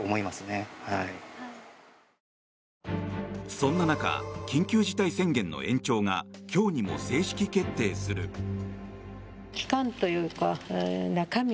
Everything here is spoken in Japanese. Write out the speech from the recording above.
そんな中緊急事態宣言の延長が今日にも正式決定する。